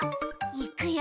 いくよ。